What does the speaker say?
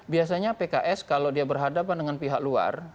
biasanya pks kalau dia berhadapan dengan pihak luar